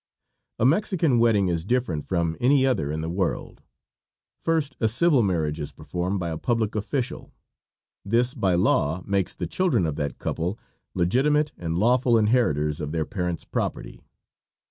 A Mexican wedding is different from any other in the world. First a civil marriage is performed by a public official. This by law makes the children of that couple legitimate and lawful inheritors of their parents' property.